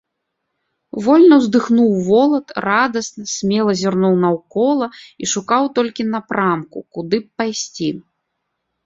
Вольна ўздыхнуў волат, радасна, смела зірнуў наўкола і шукаў толькі напрамку, куды б пайсці.